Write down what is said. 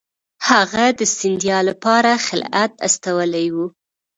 هغه د سیندیا لپاره خلعت استولی وو.